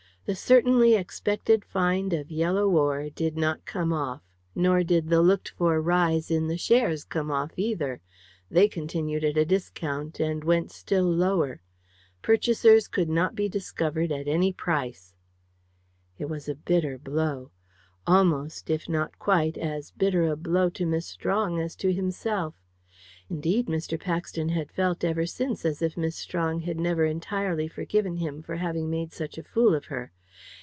The certainly expected find of yellow ore did not come off, nor did the looked for rise in the shares come off either. They continued at a discount, and went still lower. Purchasers could not be discovered at any price. It was a bitter blow. Almost, if not quite, as bitter a blow to Miss Strong as to himself. Indeed, Mr. Paxton had felt ever since as if Miss Strong had never entirely forgiven him for having made such a fool of her.